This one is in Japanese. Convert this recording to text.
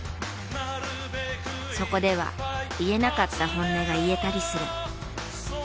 そこでは言えなかった本音が言えたりする。